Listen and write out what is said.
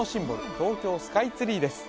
東京スカイツリーです